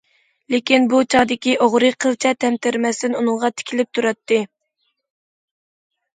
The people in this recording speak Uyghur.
لېكىن، بۇ چاغدىكى ئوغرى قىلچە تەمتىرىمەستىن ئۇنىڭغا تىكىلىپ تۇراتتى.